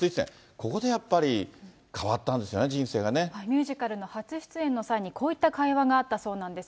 ここでやっぱり変わったんですね、ミュージカルの初出演の際、こういった会話があったそうなんです。